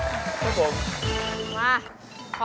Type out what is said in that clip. ครับผม